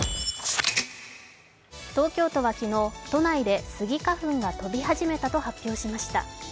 東京都は昨日、都内でスギ花粉が飛び始めたと発表しました。